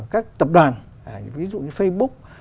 các tập đoàn ví dụ như facebook